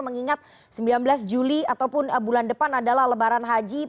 mengingat sembilan belas juli ataupun bulan depan adalah lebaran haji